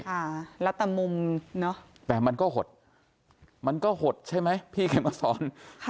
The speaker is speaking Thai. ค่ะแล้วแต่มุมเนอะแต่มันก็หดมันก็หดใช่ไหมพี่เข็มมาสอนค่ะ